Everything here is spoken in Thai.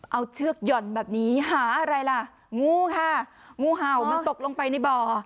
เอาเชือกหย่อนแบบนี้หาอะไรล่ะงูค่ะงูเห่ามันตกลงไปในบ่อ